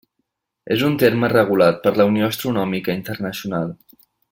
És un terme regulat per la Unió Astronòmica Internacional.